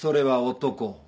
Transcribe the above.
男！